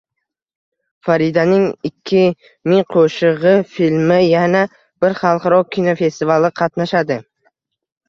Faridaning ikki ming qo‘shig‘i filmi yana bir xalqaro kinofestivalda qatnashadi